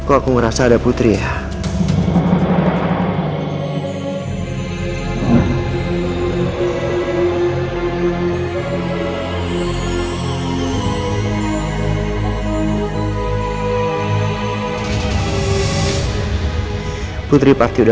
aku siep dari adik harusnya